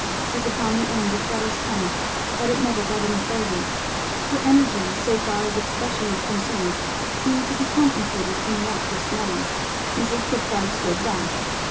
was upon the end of Fleda's tongue, but it never got any further. Her energies, so far as expression was concerned, seemed to be concentrated in the act of smelling. Mrs. Pritchard stood by.